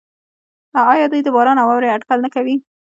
آیا دوی د باران او واورې اټکل نه کوي؟